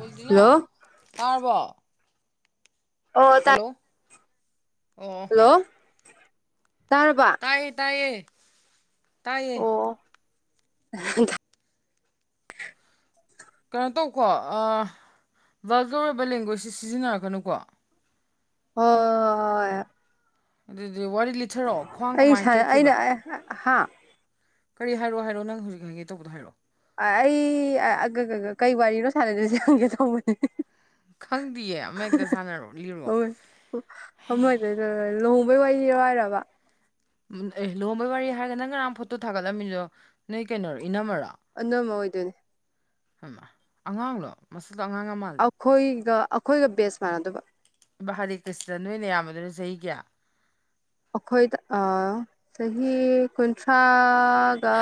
ꯣꯜꯇ ꯅ ꯍꯜꯂꯣ ꯀꯥꯔꯔꯕꯣ ꯑꯣ ꯆ ꯑꯣ ꯍꯜꯂꯣ ꯇꯥꯔꯔꯕ ꯇꯥꯏꯌꯦ ꯇꯥꯏꯌꯦ ꯇꯥꯏꯌꯦ ꯑꯣ [inaudible] ꯀꯩꯅꯣ ꯇꯧꯀꯣ ꯚꯔꯀꯔ ꯑꯣꯏꯕ ꯂꯦꯡꯒ꯭ꯋꯦꯖꯁꯦ ꯁꯤꯖꯤꯟꯅꯔꯛꯀꯅꯨꯀꯣ ꯍ ꯑꯗꯨꯗꯤ ꯋꯥꯔꯤ ꯂꯤꯊꯔꯛꯑꯣ ꯈ꯭ꯋꯥꯡ ꯑꯩ ꯀꯃꯥꯏꯅ ꯁꯥꯟꯅ ꯑꯩꯅ ꯀꯦꯛꯈꯤꯕ [inaudible] ꯍꯥ ꯀꯔꯤ ꯍꯥꯏꯔꯣ ꯍꯥꯏꯔꯣ ꯅꯪ ꯍꯧꯖꯤꯛ ꯍꯥꯏꯪꯒꯦ ꯇꯧꯕꯗꯣ ꯍꯥꯏꯔꯛꯑꯣ ꯑꯩ ꯀꯩ ꯋꯥꯔꯤꯅꯣ ꯁꯥꯟꯅꯗꯣꯏꯁꯦ ꯍꯪꯒꯦ ꯊꯣꯡꯕꯅꯤ [unintelligible] ꯈꯪꯗꯌꯦ ꯑꯃ ꯍꯦꯛꯇ ꯁꯥꯟꯅꯔꯛꯂꯤꯔꯣ ꯃꯗ ꯂꯨꯍꯣꯡꯕꯩ ꯋꯥꯍ ꯋꯥꯔꯕ ꯑꯦ ꯂꯍꯕꯩ ꯋꯥꯔꯤ ꯍꯥꯏꯔꯒ ꯅꯪ ꯉꯔꯥꯡ ꯐꯣꯇꯣ ꯊꯥꯒꯠꯂꯝꯃꯤꯗꯣ ꯅꯣꯏ ꯀꯩꯅꯣꯣꯔꯣ ꯏꯅꯝꯃꯔꯣ ꯑꯅꯝꯕ ꯑꯣꯏꯗꯣꯏꯅꯦ ꯑꯉꯥꯡꯂꯣ ꯃꯁꯤꯗ ꯑꯉꯥꯡ ꯑꯃ ꯑꯩꯈꯣꯏꯒ ꯑꯩꯈꯣꯏꯒ ꯕꯦꯁ ꯃꯥꯟꯅꯗꯕ ꯏꯕꯥ ꯍꯔꯤ ꯀ꯭ꯔꯤꯁꯅ ꯅꯣꯏꯅ ꯌꯥꯝꯕꯗꯅ ꯆꯍꯤ ꯀꯌꯥ ꯑꯩꯈꯣꯏꯗ ꯆꯍꯤ ꯀꯨꯟꯊ꯭ꯔꯥꯒ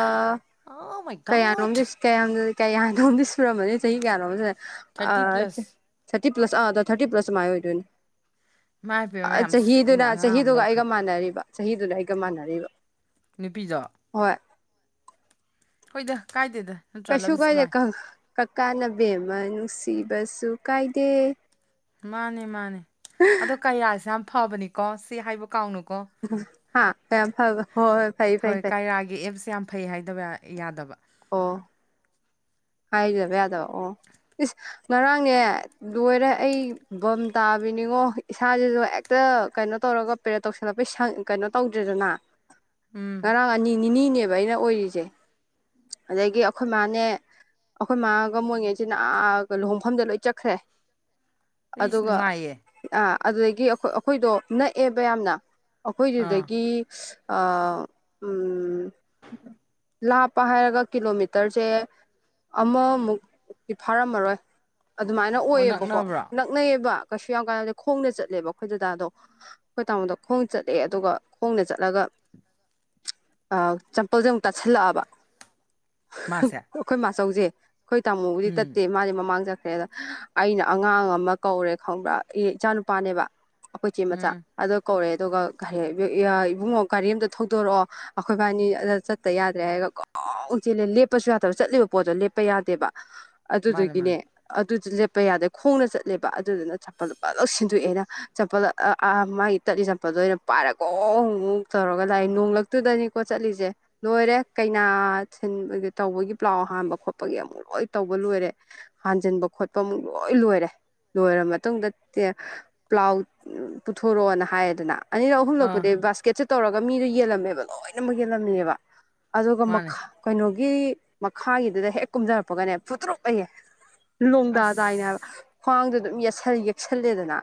ꯑꯥꯏ ꯀꯌꯥꯅꯣꯝꯗꯤ ꯀ ꯀꯌꯥꯅꯣꯝꯗꯤ ꯁꯨꯔꯝꯃꯅꯤ ꯆꯍꯤ ꯀꯌꯥꯅꯣꯝ ꯊꯥꯔꯇꯤ ꯄ꯭ꯂꯁ ꯊꯥꯇꯤ ꯄ꯭ꯂꯁꯥ ꯑꯗ ꯊꯥꯔꯇꯤ ꯄ꯭ꯂꯁ ꯁꯨꯃꯥꯏ ꯑꯣꯏꯗꯣꯏꯅꯦ ꯃꯥꯏ ꯄꯦꯝꯃ ꯌꯥꯝ ꯆꯍꯤꯗꯨꯅ ꯁꯤꯡꯅ ꯑꯉꯥꯡ ꯑꯃ ꯆꯍꯤꯗꯨꯒ ꯑꯩꯒ ꯂꯧꯈ꯭ꯔꯕ ꯃꯥꯟꯅꯔꯤꯕ ꯆꯍꯤꯗꯨꯅ ꯑꯩꯒ ꯃꯥꯟꯅꯔꯤꯕ ꯅꯨꯄꯤꯗꯣ ꯍꯣꯏ ꯍꯣꯏꯗ ꯀꯥꯏꯗꯦꯗ ꯅꯠꯇ꯭ꯔꯥ ꯀꯩꯁꯨ ꯂꯞ ꯏꯁ ꯀꯥꯏꯗꯦ ꯕ꯭ꯂꯥꯏꯟ ꯀꯀꯥꯅ ꯕꯦꯝꯃ ꯅꯨꯡꯁꯤꯕꯁꯨ ꯀꯥꯏꯗꯦ ꯃꯥꯅꯦ ꯃꯥꯅꯦ ꯑꯗꯣ ꯀꯌꯥꯁꯤ ꯌꯥꯝ ꯐꯕꯅꯤꯀꯣ ꯁꯤ ꯍꯥꯏꯕ ꯀꯥꯎꯅꯨꯀꯣ ꯌꯥꯝ ꯐ ꯍꯣꯏ ꯍꯣꯏ ꯐꯩ ꯐꯩ ꯐ ꯀꯥꯔꯌꯥ ꯒꯤ ꯑꯦꯞꯁꯤ ꯌꯥꯝ ꯐꯩ ꯍꯥꯏꯗꯕ ꯌꯥꯗꯕ ꯑꯣ ꯍꯥꯏꯗꯕ ꯌꯥꯗꯕ ꯑꯣ ꯏꯁ ꯉꯔꯥꯡꯅꯦ ꯂꯣꯏꯔꯦ ꯑꯩ ꯕꯝ ꯇꯥꯕꯤꯅꯤꯉꯣ ꯏꯁꯥꯁꯤꯁꯨ ꯍꯦꯛꯇ ꯀꯩꯅꯣ ꯇꯧꯔꯒ ꯄꯦꯔꯥꯠ ꯇꯧꯁꯜꯂꯛꯄꯩꯁꯪ ꯀꯩꯅꯣ ꯇꯧꯗ꯭ꯔꯦꯗꯅ ꯎꯝ ꯉꯔꯥꯡ ꯑꯅꯤ ꯅꯤꯅꯤꯅꯦꯕ ꯑꯩꯅ ꯑꯣꯏꯔꯤꯁꯦ ꯑꯗꯒꯤ ꯑꯩꯈꯣꯏ ꯃꯥꯅꯦ ꯑꯩꯈꯣꯏ ꯃꯥꯒ ꯃꯣꯢꯉꯩꯁꯤꯅꯒ ꯂꯨꯍꯣꯡꯐꯝꯗ ꯂꯣꯏ ꯆꯠꯈ꯭ꯔꯦ ꯑꯩꯁ ꯑꯗꯨꯒ ꯅꯨꯡꯉꯥꯏꯌꯦ ꯑ ꯑꯗꯨꯗꯒꯤ ꯑꯩꯈꯣꯏꯗꯣ ꯅꯛꯑꯦꯕ ꯌꯥꯝꯅ ꯑꯥ ꯑꯩꯈꯣꯏꯗꯨꯗꯒꯤ ꯑꯥ ꯎꯝ ꯂꯥꯞꯄ ꯍꯥꯏꯔꯒ ꯀꯤꯂꯣꯃꯤꯇꯔꯁꯦ ꯑꯃꯃꯨꯛꯇꯤ ꯐꯥꯔꯝꯃꯔꯣꯏ ꯑꯗꯨꯃꯥꯏꯅ ꯑꯣ ꯑꯣꯏꯌꯦꯕꯀꯣ ꯅꯛ ꯅꯛꯅꯕ꯭ꯔꯣ ꯅꯥꯛꯅꯩꯌꯦꯕ ꯀꯩꯁꯨ ꯌꯥꯝ ꯀꯥꯟꯅꯗꯦ ꯈꯣꯡꯅ ꯆꯠꯂꯦꯕ ꯑꯩꯈꯣꯏ ꯗꯥꯗꯣ ꯑꯩꯈꯣꯏ ꯇꯥꯃꯣꯗ ꯈꯣꯡ ꯆꯠꯂꯦ ꯑꯗꯨꯒ ꯈꯣꯡꯅ ꯆꯠꯂꯒ ꯆꯝꯄꯜꯁꯦ ꯑꯃꯨꯛ ꯇꯥꯁꯜꯂꯛꯑꯕ ꯃꯥꯁꯦ ꯑꯩꯈꯣꯏ ꯃꯥꯆꯧꯁꯦ ꯑꯩꯈꯣꯏ ꯇꯥꯃꯨꯕꯨꯗꯤ ꯎꯝ ꯇꯠꯇꯦ ꯃꯥꯗꯤ ꯃꯃꯥꯡ ꯆꯠꯈ꯭ꯔꯦꯗ ꯑꯩꯅ ꯑꯉꯥꯡ ꯑꯃ ꯀꯧꯔꯦ ꯈꯪꯕ꯭ꯔꯥ ꯏꯆꯥ ꯅꯨꯨꯄꯥꯅꯦꯕ ꯑꯩꯈꯣꯏ ꯏꯆꯦ ꯃꯆꯥ ꯎꯝ ꯑꯗꯣ ꯀꯧꯔꯛꯑꯦ ꯑꯗꯨꯒ ꯏꯕꯨꯡꯉꯣ ꯒꯥꯔꯤ ꯑꯝꯇ ꯊꯧꯗꯣꯔꯛꯑꯣ ꯑꯩꯈꯣꯏꯕꯥꯅꯤ ꯑꯗ ꯆꯠꯇ ꯌꯥꯗ꯭ꯔꯦ ꯍꯥꯏꯔꯒ ꯒꯣꯡ ꯆꯦꯜꯂꯦ ꯂꯦꯞꯄꯁꯨ ꯌꯥꯗꯕ ꯆꯠꯂꯤꯕ ꯄꯣꯠꯇꯣ ꯂꯦꯞꯄ ꯌꯥꯗꯦꯕ ꯃꯥꯅꯦ ꯑꯗꯨꯗꯒꯤꯅꯦ ꯃꯥꯅꯦ ꯑꯗꯨꯗꯤ ꯂꯦꯞꯄ ꯌꯥꯗꯦ ꯈꯣꯡꯅ ꯆꯠꯂꯦꯕ ꯑꯗꯨꯗꯨꯅ ꯆꯝꯄꯜ ꯐꯠ ꯂꯧꯅ ꯁꯤꯟꯗꯣꯛꯑꯦꯕ ꯆꯝꯄꯜ ꯑ ꯑꯥ ꯃꯥꯒꯤ ꯇꯠꯂꯤ ꯆꯠꯄꯥꯜꯗꯣ ꯑꯩꯅ ꯄꯥꯏꯔ ꯒꯣꯡ ꯇꯧꯔꯒ ꯂꯥꯛꯑꯦ ꯅꯣꯡꯂꯛꯇꯨꯗꯅꯤꯀꯣ ꯆꯠꯂꯤꯁꯦ ꯂꯣꯏꯔꯦ ꯀꯩꯅꯥ ꯊꯤꯟ ꯇꯧꯕꯒꯤ ꯄ꯭ꯂꯥꯎ ꯍꯥꯟꯕ ꯈꯣꯠꯄꯒꯤ ꯑꯃꯨꯛ ꯂꯣꯏ ꯇꯧꯕ ꯂꯣꯏꯔꯦ ꯍꯥꯟꯖꯟꯕ ꯈꯣꯠꯄ ꯑꯃꯨꯛ ꯂꯣꯏ ꯂꯣꯏꯔꯦ ꯂꯣꯏꯔ ꯃꯇꯨꯡꯗ ꯄ꯭ꯂꯥꯎ ꯄꯨꯊꯣꯔꯛꯑꯣꯅ ꯍꯥꯏꯔꯦꯗꯅ ꯑꯅꯤꯔꯛ ꯑꯥ ꯑꯍꯨꯝꯂꯛꯄꯨꯗꯤ ꯕꯥꯁꯀꯦꯠꯁꯦ ꯇꯧꯔꯒ ꯃꯤꯗꯣ ꯌꯦꯜꯂꯝꯃꯦꯕ ꯂꯣꯏꯅꯃꯥꯛ ꯌꯦꯜꯂꯝꯃꯦꯕ ꯑꯗꯨꯒ ꯃꯥꯅꯦ ꯃꯈꯥ ꯀꯩꯅꯣꯒꯤ ꯃꯈꯥꯒꯤꯗꯨꯗ ꯍꯦꯛ ꯀꯨꯝꯊꯔꯛꯄꯒꯅꯦ ꯐꯨꯠꯇ꯭ꯔꯨ ꯍꯥꯢꯌꯦ ꯂꯣꯡꯗꯥ ꯑꯁ ꯇꯥꯏꯅꯦꯕ ꯈ꯭ꯋꯥꯡꯗꯣ ꯑꯗꯨꯝ ꯌꯦꯁ ꯌꯦꯛꯁꯜꯂꯦꯗꯅ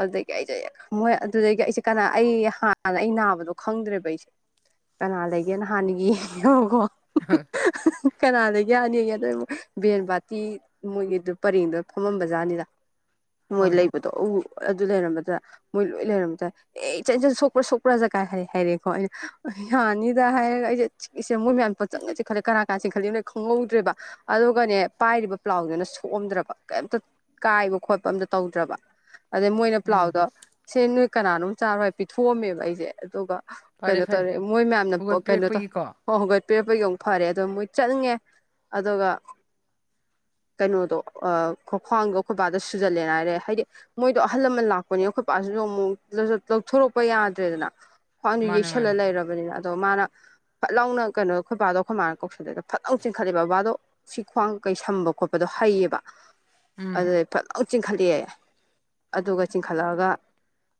ꯑꯗꯨꯗꯒꯤ ꯑꯩꯁꯦ ꯃꯣꯏ ꯑꯗꯨꯗꯒꯤ ꯑꯩꯁꯦ ꯀꯅꯥ ꯑꯩ ꯍꯥꯟꯅ ꯑꯩ ꯅꯥꯕꯗꯣ ꯈꯪꯗ꯭ꯔꯦꯕ ꯑꯩꯁꯦ [inaudible] ꯀꯅꯥ ꯂꯩꯒꯦ ꯍꯥꯟꯅ ꯌꯦꯡꯉꯦꯕꯀꯣ ꯀꯅꯥ ꯂꯩꯒꯦ ꯍꯟꯅ ꯌꯦꯡꯉꯦ ꯑꯗꯩꯃꯨꯛ ꯚꯦꯟ ꯕꯥꯇꯤ ꯃꯣꯏꯒꯤꯗꯨ ꯄꯔꯦꯡꯗꯨ ꯐꯝꯃꯝꯕꯖꯥꯠꯅꯤꯗ ꯃꯣꯏ ꯍꯣꯏ ꯂꯩꯕꯗꯣ ꯎ ꯑꯗꯨ ꯂꯩꯔꯝꯕꯗ ꯃꯣꯏ ꯂꯣꯏ ꯂꯩꯔꯝꯕ ꯑꯦ ꯏꯆꯟ ꯏꯆꯟ ꯁꯣꯛꯄ꯭ꯔꯥ ꯁꯣꯛꯄ꯭ꯔꯥ ꯀꯥꯏꯅ ꯍꯥꯏꯔ ꯍꯥꯏꯔꯦꯀꯣ ꯑꯩꯅ ꯌꯥꯅꯤꯗ ꯍꯥꯏꯔꯒ ꯑꯩꯁꯦ ꯁꯦ ꯃꯣꯏ ꯃꯌꯥꯝ ꯄꯪ ꯈꯠꯂꯦ ꯀꯅꯥ ꯀꯅꯥ ꯆꯤꯡꯈꯠ ꯈꯠꯂꯤꯗꯣ ꯈꯪꯍꯧꯗ꯭ꯔꯦꯕ ꯑꯗꯨꯒꯅꯦ ꯄꯥꯏꯔꯤꯕ ꯄ꯭ꯂꯥꯎꯗꯨꯅ ꯁꯣꯛꯑꯝꯗ꯭ꯔꯕ ꯀꯩꯝꯇ ꯀꯥꯏꯕ ꯈꯣꯠꯄ ꯑꯝꯇ ꯇꯧꯗ꯭ꯔꯕ ꯑꯗꯩ ꯃꯣꯏꯅ ꯎꯝ ꯄ꯭ꯂꯥꯎꯗꯣ ꯁꯦ ꯅꯣꯏ ꯀꯅꯥꯅꯣꯝ ꯆꯥꯔꯣꯏ ꯄꯤꯊꯣꯛꯑꯝꯃꯦꯕ ꯑꯩꯁꯦ ꯑꯗꯨꯒ ꯐꯔꯦ ꯀꯩꯅꯣ ꯐꯔꯦ ꯇꯧꯔꯦ ꯃꯣꯏ ꯃꯌꯥꯝꯅ ꯀꯩꯅꯣ ꯇꯧ ꯍꯧꯒꯠꯄꯤꯔꯛꯄꯒꯤꯀꯣ ꯍꯧꯒꯠꯄꯤꯔꯛꯄꯒꯤ ꯑꯃꯨꯛ ꯐꯔꯦ ꯑꯗꯣ ꯃꯣꯏ ꯆꯠꯅꯤꯡꯉꯦ ꯑꯗꯨꯒ ꯀꯩꯅꯣꯗꯣ ꯈ꯭ꯋꯥꯡꯗꯣ ꯑꯩꯈꯣꯏꯕꯥꯗ ꯁꯨꯖꯜꯂꯦꯅ ꯍꯥꯏꯔꯦ ꯍꯥꯏꯗꯤ ꯃꯣꯏꯗꯣ ꯑꯍꯜ ꯂꯃꯟ ꯂꯥꯛꯄꯅꯦ ꯑꯩꯈꯣꯏ ꯄꯁꯤꯁꯨ ꯑꯃꯨꯛ ꯂꯧꯊꯣꯔꯛꯄ ꯌꯥꯗ꯭ꯔꯦꯗꯅ ꯈ꯭ꯋꯥꯡꯗꯨ ꯃꯥꯅꯦ ꯌꯩꯁꯜꯂ ꯃꯥꯅꯦ ꯂꯩꯔꯕꯅꯤꯅ ꯑꯗꯣ ꯃꯥꯅ ꯐꯠ ꯂꯥꯎꯅ ꯀꯩꯅꯣ ꯑꯩꯈꯣꯏꯕꯥꯗꯣ ꯑꯩꯈꯣꯏ ꯃꯥꯅ ꯀꯧꯁꯜꯂꯦ ꯐꯅ ꯆꯤꯡꯈꯠꯂꯦꯕ ꯕꯕꯥꯗꯣ ꯁꯤ ꯈ꯭ꯋꯥꯡ ꯀꯩ ꯁꯝꯕ ꯈꯣꯠꯄꯗꯣ ꯍꯩꯌꯦꯕ ꯎꯝ ꯑꯗꯨꯗꯩ ꯐꯖꯅ ꯆꯤꯡꯈꯠꯂꯛꯑꯦ ꯑꯗꯨꯒ ꯆꯤꯡꯈꯠꯂꯛꯑꯒ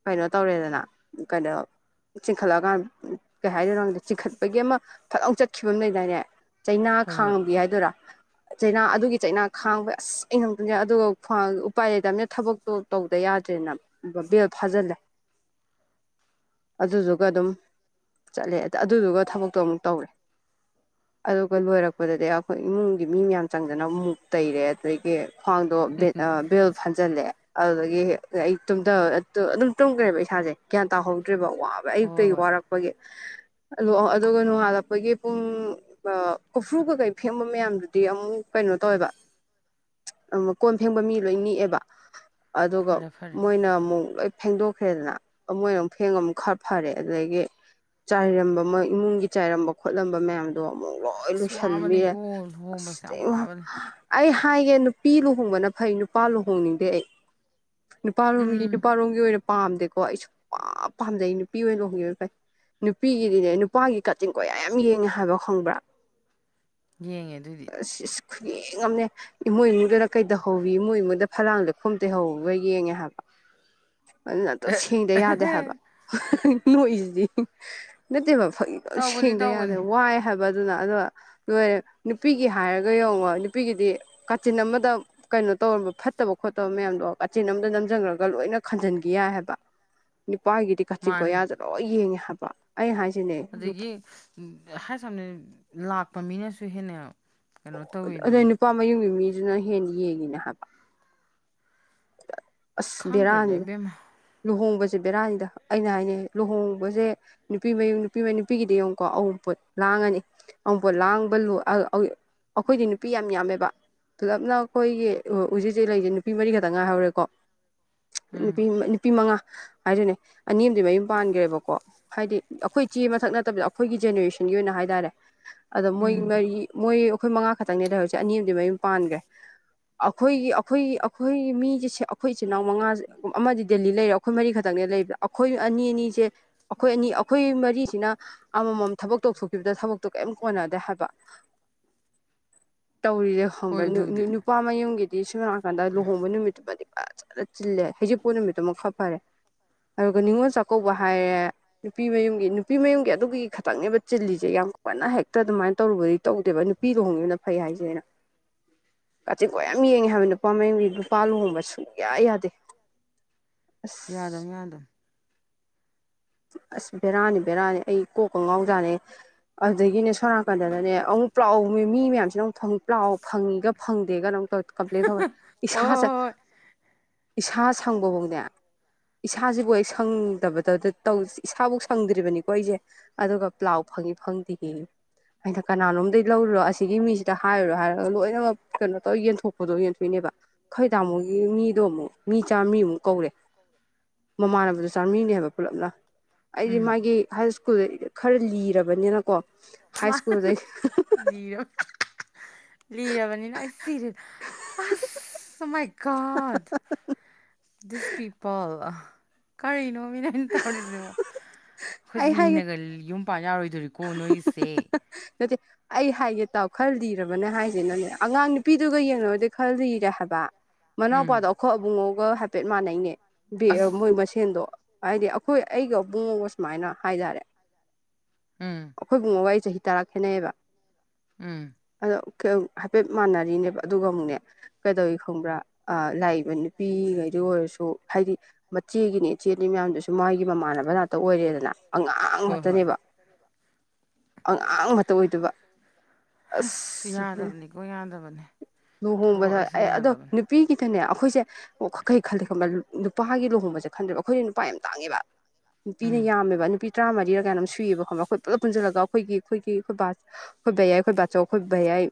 ꯀꯩꯅꯣ ꯇꯧꯔꯦꯗꯅ ꯀꯅꯥ ꯆꯤꯡꯈꯠꯂꯛꯑꯀꯥꯟꯗ ꯀꯩ ꯍꯥꯏꯗꯣꯏꯅꯣꯗ ꯆꯤꯡꯈꯠꯄꯒꯤ ꯑꯃ ꯐꯖꯥꯎ ꯆꯠꯈꯤꯕ ꯑꯃ ꯂꯩꯗꯥꯏꯅꯦ ꯆꯩꯅꯥ ꯍꯣꯏ ꯍꯣꯏ ꯈꯥꯡꯕꯤ ꯍꯥꯏꯗꯣꯏꯔꯥ ꯆꯩꯅꯥ ꯑꯗꯨꯒꯤ ꯆꯩꯅꯥ ꯈꯥꯡꯕ ꯑꯁ ꯑꯉꯝꯗꯅꯦ ꯑꯗꯨꯒ ꯈ꯭ꯋꯥꯡ ꯎꯄꯥꯏ ꯂꯩꯇꯕꯅ ꯊꯕꯛꯇꯣ ꯇꯧꯗ ꯌꯥꯗ꯭ꯔꯦꯅ ꯕꯦꯜ ꯐꯥꯖꯜꯂꯦ [unintelligible] ꯑꯗꯨꯗꯨꯒ ꯑꯗꯨꯝ ꯆꯠꯂꯦ ꯑꯗꯨꯗꯨꯒ ꯊꯕꯛꯇꯣ ꯑꯃꯨꯛ ꯇꯧꯔꯦ ꯑꯗꯨꯒ ꯂꯣꯏꯔꯛꯄꯗꯗꯤ ꯑꯩꯈꯣꯏ ꯏꯃꯨꯡꯒꯤ ꯃꯤ ꯃꯌꯥꯝ ꯆꯪꯗꯅ ꯃꯨꯛ ꯇꯩꯔꯦ ꯑꯗꯒꯤ ꯈ꯭ꯋꯥꯡꯗꯣ [inaudible] ꯕꯦꯜ ꯐꯟꯖꯜꯂꯦ ꯑꯗꯨꯗꯒꯤ ꯑꯩ ꯇꯨꯝꯗꯔꯒ꯭ꯔꯦ ꯑꯗꯨꯝ ꯇꯨꯝꯈ꯭ꯔꯦꯕ ꯏꯁꯥꯁꯦ ꯒ꯭ꯌꯥꯟ ꯇꯥꯍꯧꯗ꯭ꯔꯦꯕ ꯋꯥꯕ ꯍꯣꯏ ꯍꯣꯏ ꯑꯌꯨꯛꯇꯒꯤ ꯍꯣꯏ ꯋꯥꯔꯛꯄꯒꯤ ꯑꯗꯨꯒ ꯅꯣꯡꯉꯥꯜꯂꯛꯄꯒꯤ ꯄꯨꯡ ꯀꯣꯐ꯭ꯔꯨ ꯀꯩꯀꯩ ꯐꯦꯡꯕ ꯃꯌꯥꯝꯗꯨꯗꯤ ꯑꯃꯨꯛ ꯀꯩꯅꯣ ꯇꯧꯋꯦꯕ ꯑꯃꯨꯛ ꯀꯣꯟ ꯐꯦꯡꯕ ꯃꯤ ꯂꯣꯏ ꯅꯤꯛꯑꯦꯕ ꯑꯗꯨꯒ ꯐꯔꯦ ꯐꯔꯦ ꯃꯣꯏꯅ ꯑꯃꯨꯛ ꯂꯣꯏ ꯐꯦꯡꯗꯣꯛꯈ꯭ꯔꯦꯗꯅ ꯑꯃꯣꯏꯅ ꯑꯃꯨꯛ ꯐꯦꯡꯒ ꯑꯃꯨ ꯈꯔ ꯐꯔꯦ ꯑꯗꯨꯗꯒꯤ ꯆꯥꯏꯔꯝꯕ ꯃꯣꯏ ꯏꯃꯨꯡꯒꯤ ꯆꯥꯏꯔꯝꯕ ꯈꯣꯠꯂꯝꯕ ꯃꯌꯥꯝꯗꯣ ꯑꯃꯨꯛ ꯂꯣꯏ ꯑꯁ ꯂꯣꯏꯟꯕꯤꯔ ꯋꯥꯕꯅꯤꯀꯣ ꯑꯁ ꯂꯨꯍꯣꯡꯕꯁꯦ ꯌꯥꯝ ꯋꯥꯕꯅꯤ [inaudible] ꯑꯩ ꯍꯥꯏꯒꯦ ꯅꯨꯄꯤ ꯂꯨꯍꯣꯡꯕꯅ ꯐꯩ ꯅꯨꯄꯥ ꯂꯨꯍꯣꯡꯅꯤꯡꯗꯦ ꯑꯩ ꯅꯨꯄꯥ ꯂꯣꯝꯒꯤ ꯎꯝ ꯅꯨꯄꯥꯂꯣꯝꯒꯤ ꯑꯣꯏꯅ ꯄꯥꯝꯗꯦꯀꯣ ꯑꯩꯁꯨ ꯄ ꯄꯥꯝꯖꯩ ꯅꯨꯄꯤ ꯑꯣꯏꯅ ꯂꯨꯍꯣꯡꯈꯤꯕꯦ ꯐꯥꯏ ꯅꯨꯄꯤꯒꯤꯗꯤꯅꯦ ꯅꯨꯄꯥꯒꯤ ꯀꯇꯤꯡ ꯀꯣꯌꯥ ꯌꯥꯝ ꯌꯦꯡꯉꯦ ꯍꯥꯏꯕ ꯈꯪꯕ꯭ꯔꯥ ꯌꯦꯡꯉꯦ ꯑꯗꯨꯑꯣꯏꯗꯤ ꯑꯁꯤ ꯈꯨꯌꯦꯡ ꯑꯃ ꯏꯃꯣꯏ ꯏꯗꯅ ꯀꯩ ꯇꯧꯍꯧꯋꯤ ꯏꯃꯣꯏꯉꯨꯡꯗ ꯐꯂꯥꯡ ꯂꯩꯈꯣꯝ ꯇꯩꯍꯧꯕꯒ ꯌꯦꯡꯉꯦ ꯍꯥꯏꯕ ꯑꯗꯨꯅ ꯑꯇꯞ ꯁꯦꯡꯗ ꯌꯥꯗꯦ ꯍꯥꯏꯕ ꯅꯣꯏꯁꯤꯗꯤ ꯅꯠꯇꯦꯕ ꯇꯧꯕꯅꯤ ꯁꯦꯡꯗ ꯌꯥꯗꯦ ꯇꯧꯕꯅꯤ ꯋꯥꯏ ꯍꯥꯏꯕꯗꯨꯅ ꯑꯗꯣ ꯂꯣꯏꯔꯦ ꯅꯨꯄꯤꯒꯤ ꯍꯥꯏꯔꯒ ꯌꯦꯡꯉꯣ ꯅꯨꯄꯤꯒꯤꯗꯤ ꯀꯥꯆꯤꯟ ꯑꯃꯗ ꯀꯩꯅꯣ ꯇꯧꯝꯕ ꯐꯠꯇꯕ ꯈꯣꯠꯇꯕ ꯃꯌꯥꯝꯗꯣ ꯀꯆꯤꯟ ꯑꯃꯝꯗ ꯅꯝꯁꯤꯟꯈ꯭ꯔꯒ ꯂꯣꯏꯅ ꯈꯟꯖꯤꯟꯈꯤ ꯌꯥꯏ ꯍꯥꯏꯕ ꯅꯨꯄꯥꯒꯤꯗꯤ ꯀꯥꯆꯤꯟ ꯃꯥꯅꯤ ꯀꯣꯌꯥꯁꯦ ꯂꯣꯏ ꯌꯦꯡꯉꯦ ꯍꯥꯏꯕ ꯑꯩ ꯍꯥꯏꯖꯤꯅꯦ ꯑꯗꯒꯤ ꯍꯥꯏ ꯁꯝꯅ ꯂꯥꯛꯄ ꯃꯤꯅꯁꯨ ꯍꯦꯟꯅ ꯀꯩꯅꯣ ꯑꯗꯩ ꯇꯧꯋꯤꯗꯨꯅꯤ ꯅꯨꯄꯥ ꯃꯌꯨꯝꯒꯤ ꯃꯤꯗꯨꯅ ꯍꯦꯟꯅ ꯌꯦꯡꯉꯤꯅ ꯍꯥꯏꯕ ꯑꯁ ꯈꯪꯗ꯭ꯔꯗꯤ ꯕꯦꯔꯥꯅꯤꯗ ꯏꯕꯦꯝꯃ ꯂꯨꯍꯣꯡꯕꯁꯦ ꯕꯦꯔꯥꯅꯤꯗ ꯑꯩꯅ ꯍꯥꯏꯅꯩ ꯂꯨꯍꯣꯡꯕꯁꯦ ꯅꯨꯄꯤ ꯃꯌꯨꯝ ꯅꯨꯄꯤ ꯃꯌ ꯅꯨꯄꯤꯒꯤꯗꯤ ꯌꯦꯡꯉꯨꯀꯣ ꯑꯍꯨꯝꯄꯣꯠ ꯂꯥꯡꯉꯅꯤ ꯑꯃꯨꯛꯕ ꯂꯥꯡꯕ ꯂꯨ ꯑꯩꯈꯣꯏꯗꯤ ꯅꯨꯄꯤ ꯌꯥꯝ ꯌꯥꯝꯃꯦꯕ ꯇꯂꯞꯅ ꯑꯩꯈꯣꯏꯒꯤ ꯍꯧꯖꯤꯛꯖꯤꯦ ꯂꯩꯔꯤꯁꯦ ꯅꯨꯄꯤ ꯃꯔꯤ ꯈꯛꯇꯪ ꯉꯥꯏꯍꯧꯔꯦꯀꯣ ꯎꯝ ꯅꯨꯄꯤ ꯅꯨꯄꯤ ꯃꯉꯥ ꯍꯥꯏꯗꯨꯅꯦ ꯑꯅꯤ ꯑꯃꯗꯤ ꯃꯌꯨꯝ ꯄꯥꯟꯈ꯭ꯔꯦꯕꯀꯣ ꯍꯥꯏꯗꯤ ꯑꯩꯈꯣꯏ ꯏꯆꯦ ꯃꯊꯛ ꯅꯠꯇꯕꯤꯗ ꯑꯩꯈꯣꯏꯒꯤ ꯖꯦꯅꯦꯔꯦꯁꯟꯒꯤ ꯑꯣꯏꯅ ꯍꯥꯏ ꯇꯔꯦ ꯑꯗꯣ ꯃꯣꯏ ꯎꯝ ꯃꯔꯤ ꯃꯣꯏ ꯑꯩꯈꯣꯏ ꯃꯉꯥ ꯈꯛꯇꯪꯅꯦ ꯂꯩꯍꯧꯔꯤꯁꯦ ꯑꯅꯤ ꯑꯃꯗꯤꯝ ꯃꯌꯨꯝ ꯄꯥꯟꯈ꯭ꯔꯦ ꯑꯩꯈꯣꯏꯒꯤ ꯑꯩꯈꯣꯏꯒꯤ ꯑꯩꯈꯣꯏꯒꯤ ꯃꯤꯁꯦ ꯑꯩꯈꯣꯏ ꯏꯆꯤꯜ ꯏꯅꯥꯎ ꯃꯉꯥ ꯑꯃꯗꯤ ꯗꯦꯜꯂꯤ ꯂꯩꯔꯦ ꯑꯩꯈꯣꯏ ꯃꯔꯤ ꯈꯛꯇꯪꯅꯦ ꯂꯩꯕꯗꯥ ꯑꯩꯈꯣꯏ ꯑꯅꯤ ꯑꯅꯤꯁꯦ ꯑꯩꯈꯣꯏ ꯑꯅꯤ ꯑꯩꯈꯣꯏ ꯃꯔꯤꯁꯤꯅ ꯑꯃꯃꯝ ꯊꯕꯛ ꯇꯧꯊꯣꯛꯄꯤꯕꯗ ꯊꯕꯛꯇꯣ ꯀꯔꯤꯝ ꯀꯣꯟꯅꯗꯦ ꯍꯥꯏꯕ [unintelligible] ꯇꯧꯔꯤꯁꯦ ꯍꯣꯏ ꯈꯪꯕ꯭ꯔꯥ ꯑꯗꯨꯕꯨꯗꯤ ꯅꯨꯄꯥ ꯃꯌꯨꯝꯒꯤꯗꯤ ꯁꯝꯅ ꯍꯥꯏꯔꯀꯥꯟꯗ ꯂꯨꯍꯣꯡꯕ ꯅꯨꯃꯤꯠꯇꯨꯃꯗꯤ ꯐꯖꯅ ꯆꯤꯜꯂꯦ ꯍꯩꯖꯤꯛꯄꯨ ꯅꯨꯃꯤꯠꯇꯨ ꯑꯗꯨꯃꯛ ꯐ ꯐꯔꯦ ꯑꯗꯨꯒ ꯅꯤꯉꯣꯜ ꯆꯥꯛꯀꯧꯕ ꯍꯥꯏꯔꯦ ꯅꯨꯄꯤ ꯃꯌꯨꯝꯒꯤ ꯅꯨꯄꯤ ꯃꯌꯨꯝꯒꯤ ꯑꯗꯨꯒꯤ ꯈꯛꯇꯪꯅꯦꯕ ꯆꯤꯜꯂꯤꯁꯦ ꯌꯥꯝ ꯀꯟꯅ ꯍꯦꯛꯇ ꯑꯗꯨꯃꯥꯏꯅ ꯇꯧꯔꯨꯕꯗꯤ ꯇꯧꯗꯦꯕ ꯄꯤꯔꯣ ꯍꯣꯡꯉꯦꯅ ꯐꯩ ꯍꯥꯏꯁꯦꯅ [unintelligible] ꯀꯥꯆꯤꯟ ꯀꯣꯏ ꯌꯥꯝ ꯌꯦꯡꯉꯦ ꯍꯥꯏꯕ ꯅꯨꯄꯥ ꯃꯌꯒꯤ ꯅꯨꯄꯥ ꯂꯨꯍꯣꯡꯕ ꯁꯨꯡꯌꯥ ꯌꯥꯗꯦ ꯌꯥꯗꯣ ꯑꯁ ꯌꯥꯗ ꯑꯁ ꯕꯦꯔꯥꯅꯤ ꯕꯦꯔꯥꯅꯤ ꯑꯩ ꯀꯣꯛꯄ ꯉꯥꯎꯖꯥꯠꯅꯦ ꯑꯗꯨꯗꯒꯤꯅꯦ ꯁꯣꯅꯥꯀꯟꯗꯗꯅꯦ ꯑꯃꯨꯛ ꯄ ꯂꯥꯛꯥꯎ ꯃꯤ ꯃꯌꯥꯝꯁꯤꯅ ꯑꯃꯨꯛ ꯊꯪꯛ ꯄ ꯂꯥꯛꯑꯣ ꯐꯪꯉꯤꯒ ꯐꯪꯗꯦꯒꯅ ꯑꯃꯛ ꯇꯧ ꯀꯝꯄ꯭ꯂꯦꯟ ꯇꯧꯋꯦ ꯍꯣꯏ ꯍꯣꯏ ꯏꯁꯥꯁꯦ ꯍꯣꯏ ꯍꯣꯏ ꯏꯁꯥ ꯁꯪꯕꯐꯥꯎꯅꯦ ꯏꯁꯥꯁꯤꯕꯨ ꯑꯩ ꯁꯪꯗꯕꯗꯗ ꯏꯁꯥꯕꯨꯧ ꯁꯪꯗ꯭ꯔꯤꯕꯅꯤꯀꯣ ꯑꯩꯁꯦ ꯑꯗꯨꯒ ꯄ꯭ꯂꯥꯎ ꯐꯪꯉꯤ ꯐꯪꯗꯦ ꯌꯦꯉꯤ ꯑꯩꯅ ꯀꯅꯥꯅꯣꯝꯗꯒꯤꯩ ꯂꯧꯔꯨꯔꯣ ꯑꯁꯤꯒꯤ ꯃꯤꯁꯤꯗ ꯍꯥꯏꯔꯨꯔꯣ ꯍꯥꯏꯔꯒ ꯂꯣꯏꯅꯃꯛ ꯀꯩꯅꯣ ꯇꯧꯔ ꯌꯦꯟꯊꯣꯛꯄꯗꯣ ꯌꯦꯟꯊꯣꯛꯏꯅꯦꯕ ꯈꯣꯏ ꯇꯥꯃꯣꯒꯤ ꯃꯤꯗꯣ ꯑꯃꯨꯛ ꯃꯤ ꯆꯥꯝꯃꯔꯤ ꯑꯃꯨꯛ ꯀꯧꯔꯦ ꯃꯃꯥꯟꯅꯕꯗ ꯆꯥꯃꯤꯅꯦꯕ ꯄꯨꯂꯞꯅ ꯑꯩꯗꯤ ꯎꯝ ꯃꯥꯒꯤ ꯍꯥꯏ ꯁ꯭ꯀꯨꯜꯗ ꯈꯔ ꯂꯤꯔꯕꯔꯕꯅꯤꯅꯀꯣ ꯃꯥ ꯂꯔ ꯂꯔꯕꯅꯤꯅ ꯑꯩ ꯁꯤꯔꯦꯗ ꯑꯥꯏ ꯀꯥꯗ ꯗꯤꯁ ꯄꯤꯄꯜ ꯀꯔꯤꯅꯣ ꯃꯤꯅ ꯑꯩꯅ ꯇꯧꯔꯤꯁꯦꯕꯣ ꯑꯩꯈꯣꯏꯁꯨ ꯑꯩ ꯍꯥꯏꯒꯦ ꯂꯤꯅꯒꯅꯤ ꯌꯨꯝ ꯄꯥꯟ ꯌꯥꯔꯣꯏꯗꯣꯔꯤꯀꯣ ꯅꯣꯏꯒꯤꯁꯦ ꯑꯗꯨꯗꯤ ꯑꯩ ꯍꯥꯏꯒꯦ ꯇꯥꯎ ꯈꯔ ꯂꯤꯔꯕꯔꯕꯅꯦ ꯍꯥꯏꯁꯤꯦꯅꯅꯦ ꯑꯉꯥꯡ ꯅꯨꯄꯤꯗꯨꯒ ꯌꯦꯡꯅꯕꯗꯤ ꯈꯔ ꯂꯤꯔꯦ ꯍꯥꯏꯕ ꯃꯅꯥꯎꯄꯥꯗꯣ ꯎꯝ ꯑꯩꯈꯣꯏ ꯑꯕꯨꯡꯉꯧꯒ ꯍꯥꯏꯐꯦꯠ ꯃꯥꯟꯅꯩꯅꯦ ꯑꯁ ꯃꯣꯏ ꯃꯁꯦꯟꯗꯣ ꯍꯥꯏꯗꯤ ꯑꯩꯈꯣꯏ ꯑꯩꯒ ꯄꯕꯨꯡꯉꯒ ꯁꯨꯃꯥꯏꯅ ꯍꯥꯏꯇꯥꯔꯦ ꯎꯝ ꯑꯩꯈꯣꯏꯒꯨꯡꯕ ꯋꯥꯔꯤ ꯆꯍꯤ ꯇꯔꯥ ꯈꯦꯠꯅꯩꯌꯦꯕ ꯎꯝ ꯑꯗꯣ ꯍꯥꯏꯐꯦꯠ ꯃꯥꯟꯅꯔꯤꯅꯦꯕ ꯑꯗꯨꯒ ꯑꯃꯨꯛꯅꯦ ꯀꯩꯗꯧꯏ ꯈꯪꯕ꯭ꯔꯥ ꯂꯥꯏ ꯅꯨꯄꯤꯉꯩꯗ ꯑꯣꯏꯔꯁꯨ ꯍꯥꯏꯗꯤ ꯃꯆꯦꯒꯤꯅꯤ ꯏꯆꯦꯅꯤ ꯃꯌꯥꯝꯗꯨꯁꯨ ꯃꯥꯒꯤ ꯑꯩꯒꯤ ꯃꯃꯥꯟꯅꯕ ꯉꯥꯛꯇ ꯑꯣꯏꯔꯦꯗꯅ ꯑꯉꯥꯡ ꯉꯥꯛꯇꯅꯦꯕ ꯊꯕ ꯑꯉꯥꯡ ꯑꯃꯇ ꯑꯣꯏꯗꯕ ꯑꯁ ꯍ ꯌꯥꯗꯕꯅꯤꯀꯣ ꯌꯥꯗꯕꯅꯦ ꯊꯕꯛ ꯑꯁꯤ ꯑꯗꯣ ꯌꯥꯗꯕꯅꯦ ꯅꯨ ꯄ꯭ꯔꯤꯒꯤꯗꯅꯦ ꯑꯩꯈꯣꯏꯁꯦ ꯑꯣ ꯀꯩ ꯈꯟꯗꯦ ꯈꯕ ꯅꯨꯄꯥꯒꯤ ꯂꯨꯍꯣꯡꯕꯁꯦ ꯈꯟꯗꯦꯕ ꯑꯩꯈꯣꯏꯁꯨ ꯅꯨꯄꯥ ꯌꯥꯝ ꯇꯥꯡꯉꯦꯕ ꯅꯨꯄꯤꯅ ꯎꯝ ꯌꯥꯝꯃꯦꯕ ꯅꯨꯄꯤ ꯇꯔꯥꯃꯔꯤꯒ ꯀꯥꯏꯣ ꯁꯏꯌꯦꯕꯣꯕꯠ ꯄꯨꯜꯂꯞ ꯄꯨꯟꯁꯤꯜꯂꯒ ꯑꯩꯈꯣꯏꯒꯤ ꯑꯩꯈꯣꯏꯒꯤ ꯑꯩꯈꯣꯏꯕꯥ ꯑꯩꯈꯣꯏ ꯕꯌꯥꯏ ꯑꯩꯈꯣꯏ ꯕꯥꯆꯧ ꯑꯩꯈꯣꯏ ꯚ ꯌꯥꯏ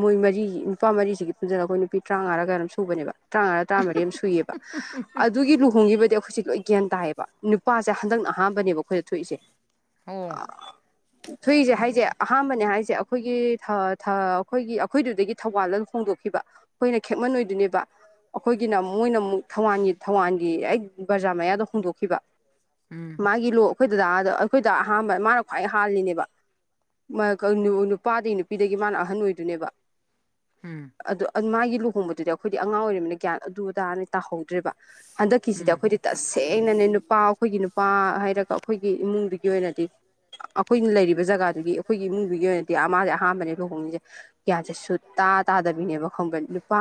ꯃꯣꯏ ꯃꯔꯤ ꯅꯨꯄꯥ ꯃꯔꯤꯁꯤꯒꯤ ꯄꯨꯟꯖꯅ ꯑꯩꯈꯣꯏ ꯅꯨꯄꯤ ꯇꯔꯥꯃꯉꯥꯒ ꯑꯗꯨꯝ ꯁꯨꯕꯅꯦꯕ ꯇꯔꯥꯃꯉꯥ ꯇꯔꯥꯃꯔꯤ ꯑꯃ ꯁꯨꯏꯌꯦꯕ ꯑꯗꯨꯒꯤ ꯂꯨꯍꯣꯡꯈꯤꯕꯗꯤ ꯑꯩꯈꯣꯏꯁꯦ ꯂꯣꯏ ꯒ꯭ꯌꯥꯟ ꯇꯥꯏꯌꯦꯕ ꯅꯨꯄꯥꯁꯦ ꯍꯟꯗꯛꯅ ꯑꯍꯥꯟꯕꯅꯦꯕ ꯑꯩꯈꯣꯏꯗ ꯊꯣꯛꯏꯁꯦ ꯑꯣ ꯊꯨꯏꯁꯦ ꯍꯥꯏꯁꯦ ꯑꯍꯥꯟꯕꯅꯦ ꯍꯥꯏꯁꯦ ꯑꯩꯈꯣꯏꯒꯤ ꯑꯩꯈꯣꯏꯒꯤ ꯑꯩꯈꯣꯏꯗꯨꯗꯒꯤ ꯊꯧꯕꯥꯜꯗ ꯐꯣꯡꯗꯣꯛꯈꯤꯕ ꯑꯩꯈꯣꯏꯅ ꯈꯦꯃꯟ ꯑꯣꯏꯣꯏꯗꯣꯏꯅꯦꯕ ꯑꯩꯈꯣꯏꯒꯤꯅ ꯃꯣꯏꯅ ꯑꯃꯨꯛ ꯊꯋꯥꯟꯒꯤ ꯊꯋꯥꯟꯒꯤ ꯑꯩ ꯕꯖꯥꯔ ꯃꯌꯥꯗꯣ ꯍꯣꯡꯗꯣꯛꯈꯤꯕ ꯎꯝ ꯃꯥꯒꯤ ꯂꯣ ꯑꯩꯈꯣꯏꯗ ꯑꯗ ꯑꯩꯈꯣꯏꯗ ꯑꯍꯥꯟꯕ ꯃꯥꯅ ꯈ꯭ꯋꯥꯏ ꯍꯥꯜꯂꯤꯅꯦꯕ ꯅꯨꯄꯥꯗꯒꯤ ꯅꯨꯄꯤꯗꯒꯤ ꯃꯥꯅ ꯑꯍꯟ ꯑꯣꯏꯗꯨꯏꯅꯦꯕ ꯍꯝ ꯑꯗꯨ ꯃꯥꯒꯤ ꯂꯨꯍꯣꯡꯕꯗꯨꯗꯤ ꯑꯩꯈꯣꯏꯗꯤ ꯑꯉꯥꯡ ꯑꯣꯏꯔꯤꯃꯤꯅꯤꯅ ꯒ꯭ꯌꯥꯟ ꯑꯗꯨ ꯇꯅ ꯇꯥꯍꯧꯗ꯭ꯔꯦꯕ ꯍꯟꯗꯛꯀꯤꯁꯤꯗ ꯎꯝ ꯑꯩꯈꯣꯏꯗꯤ ꯇꯁꯦꯡꯅꯅꯦ ꯅꯨꯄꯥ ꯑꯩꯈꯣꯏꯒꯤ ꯅꯨꯄꯥ ꯍꯥꯏꯔꯒ ꯑꯩꯈꯣꯏꯒꯤ ꯏꯃꯨꯡꯗꯨꯒꯤ ꯑꯣꯏꯅꯗꯤ ꯑꯩꯈꯣꯏꯅ ꯂꯩꯔꯤꯕ ꯖꯒꯥꯗꯨꯒꯤ ꯑꯩꯈꯣꯏꯒꯤ ꯏꯃꯨꯡꯗꯨꯒꯤ ꯑꯣꯏꯅꯗꯤ ꯃꯥꯥꯁꯦ ꯑꯍꯥꯥꯟꯕꯅꯦ ꯂꯨꯍꯣꯡꯉꯁꯦ ꯒ꯭ꯌꯥꯟꯁꯦ ꯁꯨ ꯇꯥ ꯇꯥꯗꯕꯤꯅꯦꯕ ꯈꯪꯕ ꯅꯨꯄꯥ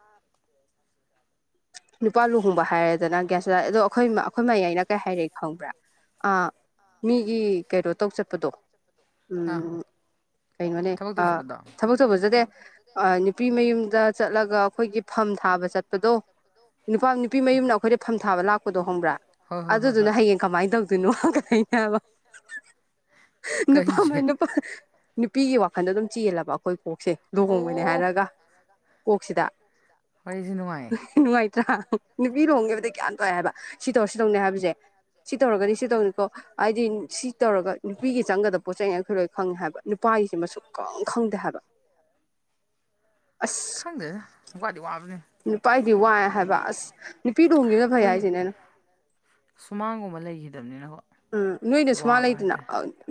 ꯑꯥ ꯅꯨꯄꯥ ꯂꯨꯍꯣꯡꯕ ꯍꯥꯏꯔꯦꯗꯅ ꯒ꯭ꯌꯥꯁ ꯆ ꯑꯗꯣ ꯑꯩꯈꯣꯏ ꯑꯩꯈꯣꯏ ꯃꯌꯥ ꯑꯏꯩꯅ ꯀꯩ ꯍꯥꯏꯔꯦ ꯈꯪꯕ꯭ꯔꯥ ꯑ ꯃꯤꯒꯤ ꯀꯩꯅꯣ ꯇꯧ ꯆꯠꯄꯗꯣ ꯑꯥ ꯎꯝ ꯀꯩꯅꯣꯅꯦ ꯊꯕꯛ ꯇꯧ ꯆꯠꯄꯗꯣ ꯊꯕꯛ ꯑꯆ ꯐꯖꯗꯦ ꯅꯨꯄꯤ ꯃꯌꯨꯝꯗ ꯆꯠꯂꯒ ꯑꯩꯈꯣꯏꯒꯤ ꯐꯝ ꯊꯥꯕ ꯆꯠꯄꯗꯣ ꯅꯨꯄꯥ ꯅꯨꯄꯤ ꯃꯌꯨꯝꯅ ꯑꯩꯈꯣꯏꯗ ꯐꯝ ꯊꯥꯕ ꯂꯥꯛꯄꯗꯣ ꯍꯣꯡꯕ꯭ꯔꯥ ꯍꯣꯏ ꯍꯣꯏ ꯍꯣꯏ ꯑꯗꯨꯗꯨꯅ ꯍꯣꯏ ꯍꯌꯦꯡ ꯀꯃꯥꯏꯅ ꯇꯧꯗꯣꯏꯅꯣꯕ ꯅꯨꯄꯥ ꯃ ꯀꯔꯤꯒꯤ ꯅꯨꯄꯤꯒꯤ ꯋꯥꯈꯟꯗ ꯑꯗꯨꯝ ꯆꯦꯜꯂꯕ ꯑꯩꯈꯣꯏ ꯀꯣꯛꯁꯦ ꯂꯨꯍꯣꯡꯕꯅꯦ ꯑꯣ ꯍꯥꯏꯔꯒ ꯀꯣꯛꯁꯤꯗ ꯋꯥꯔꯤꯁꯤ ꯅꯨꯡꯉꯥꯏꯌꯦ ꯅꯨꯡꯉꯥꯏꯇ꯭ꯔꯥ ꯅꯨꯄꯤ ꯂꯣꯡꯒꯤꯦꯕꯗꯤ ꯒꯌꯥ ꯇꯧꯋꯦ ꯍꯥꯏꯕ ꯁꯤ ꯇꯧꯔꯁꯨ ꯇꯧꯅꯦ ꯍꯥꯏꯕꯁꯦ ꯁꯤ ꯇꯧꯔꯒꯅꯤ ꯁꯤ ꯇꯧꯅꯤꯀꯣ ꯍꯥꯏꯗꯤ ꯁꯤ ꯇꯧꯔꯒ ꯅꯨꯄꯤꯒꯤ ꯆꯪꯒꯗꯕ ꯄꯣꯠ ꯆꯩꯩꯉ ꯑꯩꯈꯣꯏ ꯂꯣꯏ ꯈꯪꯉꯦ ꯍꯥꯏꯕ ꯅꯨꯄꯥꯒꯤꯁꯤ ꯃꯁꯨꯛ ꯀꯪ ꯈꯪꯗꯦ ꯍꯥꯏꯕ [unintelligible] ꯑꯁ ꯈꯪꯗ ꯔꯤ ꯑꯕꯅꯤ ꯅꯨꯄꯥꯥꯏꯗꯤ ꯋꯥꯏ ꯍꯥꯏꯕ ꯑꯁ ꯄꯤꯗꯣꯡ ꯑꯩꯈꯣꯏꯅ ꯁꯨꯃꯥꯡꯒꯨꯝꯕ ꯂꯩꯈꯤꯗꯕꯅꯤꯅꯀꯣ ꯎꯝ ꯅꯣꯏꯅ ꯁꯨꯃꯥꯏꯥꯡ ꯂꯩꯗꯅ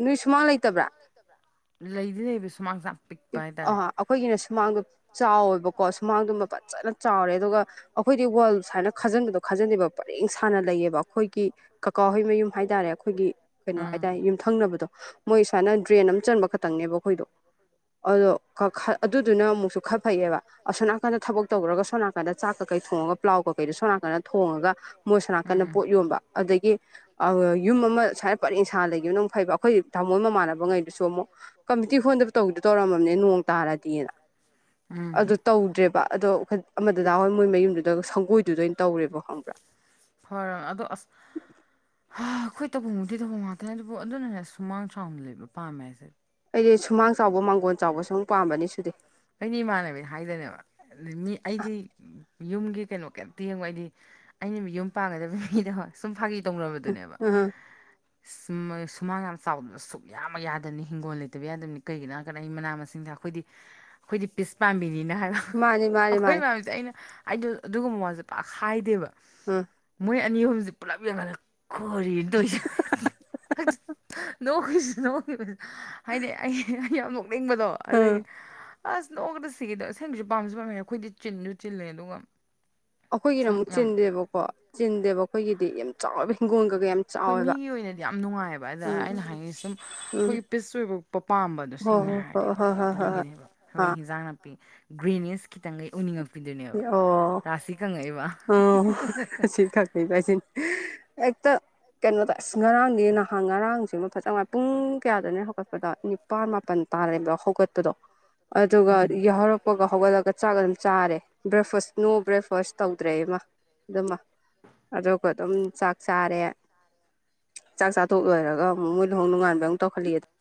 ꯅꯣꯏ ꯁꯨꯃꯥꯡ ꯂꯩꯇꯕ꯭ꯔꯥ ꯂꯩꯇꯕ꯭ꯔꯥ ꯂꯩꯗꯨꯅꯦꯕ ꯁꯨꯃꯥꯡꯖꯥꯝ ꯑ ꯑꯩꯈꯣꯏꯒꯤꯅ ꯁꯨꯃꯥꯡꯗꯣ ꯆꯥꯎꯋꯦꯕꯀꯣ ꯁꯨꯃꯥꯡꯗꯨꯃ ꯐꯖꯅ ꯆꯥꯎꯔꯦ ꯑꯗꯨꯒ ꯑꯩꯈꯣꯏꯗꯤ ꯋꯥꯔꯜ ꯁꯨꯃꯥꯏꯅ ꯈꯥꯖꯤꯟꯕꯗꯣ ꯈꯥꯖꯤꯟꯗꯦꯕ ꯄꯔꯦꯡ ꯁꯥꯅ ꯂꯩꯌꯦꯕ ꯑꯩꯈꯣꯏꯒꯤ ꯀꯀꯥ ꯍꯩ ꯃꯌꯨꯝ ꯍꯥꯏꯇꯥꯔꯦ ꯑꯩꯈꯣꯏꯒꯤ ꯀꯩꯅꯣ ꯎꯝ ꯍꯥꯏꯇꯥꯔꯦ ꯌꯨꯝꯊꯪꯅꯕꯗꯣ ꯃꯣꯏ ꯁꯨꯃꯥꯏꯅ ꯗ꯭ꯔꯦꯟ ꯑꯃ ꯆꯟꯕ ꯈꯛꯇꯪꯅꯦꯕ ꯑꯩꯈꯣꯏꯗꯣ ꯑꯗꯣ ꯑꯗꯨꯗꯨꯅ ꯑꯃꯨꯛꯁꯨ ꯈꯔ ꯐꯩꯌꯦꯕ ꯑꯁꯣꯝ ꯅꯥꯀꯟꯗ ꯊꯕꯛ ꯇꯧꯈ꯭ꯔꯒ ꯁꯣꯝ ꯅꯥꯀꯟꯗ ꯆꯥꯛ ꯀꯀꯩ ꯊꯣꯡꯉꯒ ꯄ꯭ꯂꯥꯎ ꯀꯀꯩꯗꯣ ꯁꯣꯝ ꯅꯥꯀꯗ ꯊꯣꯡꯉꯒ ꯃꯣꯏꯁ ꯅꯥꯀꯟꯟꯅ ꯄꯣꯠ ꯌꯣꯟꯕ ꯑꯗꯒꯤ ꯌꯨꯝ ꯑꯃ ꯁꯨꯃꯥꯏꯅ ꯄꯔꯦꯡ ꯁꯥ ꯂꯩꯈꯤꯕ ꯅꯪ ꯐꯩꯕ ꯑꯩꯈꯣꯏ ꯊꯥꯡꯃꯣꯏ ꯃꯃꯥꯟꯅꯕꯉꯩꯗꯨꯁꯨ ꯑꯃꯨꯛ ꯀꯝꯃꯤꯇꯤ ꯍꯣꯟꯗꯕ ꯇꯧꯗꯤ ꯇꯧꯔꯝꯃꯕꯅꯦ ꯅꯣꯡ ꯇꯥꯔꯗꯤꯅ ꯎꯝ ꯑꯗꯨꯗꯣ ꯇꯧꯗ꯭ꯔꯦꯕ ꯑꯗꯣ ꯑꯃꯗꯗꯥ ꯍꯣꯏ ꯃꯣꯏ ꯃꯌꯨꯝꯗꯨꯗ ꯁꯪꯒꯣꯏꯗꯨꯗ ꯑꯣꯏꯅ ꯇꯧꯔꯦꯕ ꯈꯪꯕ꯭ꯔꯥ ꯐꯔ ꯑꯗꯣ ꯑꯁ ꯍꯥ ꯑꯩꯈꯣꯏ ꯇꯕꯐꯝꯃꯨꯗꯤ ꯊꯧꯐꯝ ꯉꯥꯛꯇꯅꯦ ꯑꯗꯨꯕꯨ ꯑꯗꯨꯅꯅꯦ ꯁꯨꯃꯥꯡ ꯁꯅ ꯂꯩꯕ ꯄꯥꯝꯃꯦ ꯍꯥꯏꯁꯦ ꯑꯩꯗꯤ ꯁꯨꯃꯥꯡ ꯆꯥꯎꯕ ꯃꯥꯡꯒꯣꯟ ꯆꯥꯎꯕ ꯁꯨꯝ ꯄꯥꯝꯕꯅꯤ ꯁꯨꯗꯤ ꯑꯩꯩꯅ ꯏꯃꯥꯟꯅꯕꯤ ꯍꯥꯏꯗꯅꯦꯕ ꯃꯤ ꯑ ꯑꯩꯗꯤ ꯌꯨꯝꯒꯤ ꯀꯩꯅꯣ ꯀꯩꯝꯇ ꯌꯦꯕ ꯑꯩꯗꯤ ꯑꯩꯅ ꯌꯨꯝ ꯄꯥꯡꯒꯗꯕ ꯃꯤꯗ ꯍꯣꯏ ꯁꯨꯝ ꯐꯥꯒꯤ ꯇꯧꯅꯕꯗꯨꯅꯦꯕ ꯎꯝ ꯁꯨꯃꯥꯡ ꯌꯥꯝ ꯆꯥꯎꯗꯕ ꯁꯨꯛ ꯌꯥꯝ ꯑꯃ ꯌꯥꯗꯕꯅꯤ ꯍꯤꯡꯒꯣꯜ ꯂꯩꯇꯕ ꯌꯥꯗꯕꯅꯤ ꯀꯩꯒꯤꯅꯣ ꯍꯥꯏꯔ ꯀꯗ ꯑꯩ ꯃꯅꯥ ꯃꯁꯤꯡ ꯀꯥꯛ ꯑꯩꯈꯣꯏꯗꯤ ꯑꯩꯈꯣꯏꯗꯤ ꯄꯤꯁ ꯄꯥꯝꯕꯤꯅꯤꯅ ꯍꯥꯏꯕꯣ ꯃꯥꯅꯤ ꯃꯥꯅꯤ ꯑꯩꯈꯣꯏ ꯃꯥꯅꯤ ꯄꯥꯝꯃꯤꯁꯦ ꯑꯩꯅ ꯑꯩꯗꯣ ꯑꯗꯨꯒꯨꯝꯕ ꯋꯥꯜꯁꯦ ꯄꯥꯛ ꯈꯥꯏꯗꯦꯕ ꯎꯝ ꯃꯣꯏ ꯑꯅꯤ ꯑꯍꯨꯝꯁꯦ ꯄꯨꯂꯞ ꯌꯦꯡꯈꯜꯂ ꯈꯣꯔꯤꯅ ꯇꯧꯔꯤꯁꯦ ꯅꯣꯛꯈꯁꯨ ꯅꯣꯛꯈꯤꯕ ꯍꯥꯏꯗꯤ ꯑꯩ ꯌꯥꯝ ꯅꯣꯛꯅꯤꯡꯕꯗꯣ ꯎꯝ ꯑꯗꯨꯒꯤ ꯑꯁ ꯅꯣꯛꯑꯒꯗ ꯁꯤꯒꯗꯣ ꯁꯦꯡꯒꯤꯁꯨ ꯄꯥꯝꯁꯨ ꯄꯥꯝꯃꯦ ꯑꯩꯈꯣꯏꯗꯤ ꯆꯤꯟꯁꯨ ꯆꯤꯜꯂꯦ ꯑꯗꯨꯒ ꯑꯩꯈꯣꯏꯒꯤꯅ ꯁꯨꯝ ꯑꯃꯨꯛ ꯌꯥꯝ ꯆꯤꯟꯗꯦꯕꯀꯣ ꯆꯤꯟꯗꯦꯕ ꯑꯩꯈꯣꯏꯒꯤꯗꯤ ꯌꯥꯝ ꯆꯥꯎꯔꯕꯤ ꯍꯣꯏ ꯃꯤꯒꯤ ꯑꯣꯏꯅꯗꯤ ꯌꯥꯝ ꯅꯨꯡꯉꯥꯏꯑꯕ ꯑꯗ ꯎꯝ ꯑꯩꯅ ꯍꯥꯏꯅꯤꯡꯤ ꯁꯨꯝ ꯎꯝ ꯑꯩꯈꯣꯏꯒꯤ ꯄꯤꯁ ꯑꯣꯏꯕ ꯄ ꯄꯥꯝꯕꯗꯣ ꯍꯣꯏ ꯁꯦꯡꯅ ꯍꯣꯏ ꯍꯣꯏ ꯍꯥꯏꯔꯦꯕ ꯍꯣꯏ ꯍꯣꯏ ꯍꯣꯏ ꯍꯣꯏ ꯑꯗꯨꯒꯤꯅꯦꯕ ꯑꯩꯈꯣꯏ ꯑꯥ ꯍꯤꯟꯖꯥꯡ ꯅꯥꯄꯤ ꯒ꯭ꯔꯦꯅꯦꯁ ꯈꯤꯇꯪꯈꯩ ꯎꯅꯤꯡꯉꯛꯄꯤꯗꯣꯏꯅꯦꯕ ꯑꯣ ꯔꯥꯁꯤ ꯀꯪꯉꯛꯏꯕ ꯁꯤ ꯑꯦꯛꯇꯣ ꯀꯩꯅꯣꯗ ꯑꯁ ꯉꯔꯥꯡꯗꯤ ꯅꯍꯥꯟ ꯉꯔꯥꯡꯁꯤꯃ ꯐꯖꯅꯥꯏ ꯄꯨꯡ ꯀꯌꯥꯗꯅ ꯍꯧꯒꯠꯄꯗ ꯅꯤꯄꯥꯜ ꯃꯥꯄꯜ ꯇꯥꯔꯗꯣ ꯍꯧꯒꯠꯄꯗꯣ ꯑꯗꯨꯒ ꯎꯝ ꯌꯥꯔꯛꯄ ꯀꯄꯒ ꯍꯧꯒꯠꯂꯒ ꯆꯥꯛ ꯑꯗꯨꯝ ꯆꯥꯔꯦ ꯕ꯭ꯔꯦꯛꯐꯁ ꯅꯣ ꯕ꯭ꯔꯦꯛꯐꯁ ꯇꯧꯗ꯭ꯔꯦ ꯏꯃ ꯑꯗꯨꯃ ꯑꯗꯨꯒ ꯑꯗꯨꯝ ꯆꯥꯛ ꯆꯥꯔꯦ ꯆꯥꯛ ꯇꯣꯣꯛ ꯂꯣꯏꯔ ꯑꯃꯨꯛ ꯃꯣꯏ ꯂꯍꯣꯡ ꯅꯨꯡꯉꯥꯟꯕ ꯑꯃꯛ ꯇꯈꯠꯂꯤꯑ